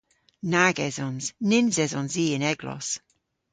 Nag esons. Nyns esons i y'n eglos.